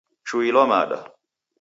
Chuilwa mada.